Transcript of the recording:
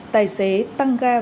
tài xế tăng ga vừa biên pháp